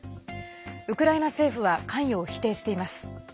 ウクライナ政府は関与を否定しています。